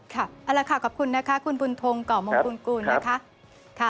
ค่ะเอาละค่ะขอบคุณนะคะคุณบุญทงก่อมงคลกูลนะคะ